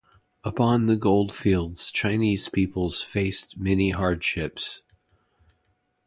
Upon the goldfields Chinese peoples faced many hardships.